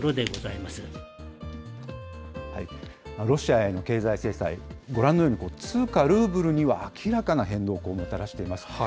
ロシアへの経済制裁、ご覧のように、通貨ルーブルには明らかな変動をもたらしています。